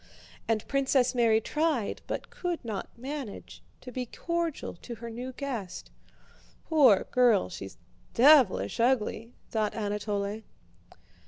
And Princess Mary tried, but could not manage, to be cordial to her new guest. "Poor girl, she's devilish ugly!" thought Anatole.